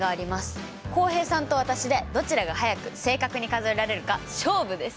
浩平さんと私でどちらが速く正確に数えられるか勝負です。